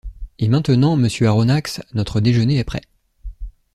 Et maintenant, monsieur Aronnax, notre déjeuner est prêt.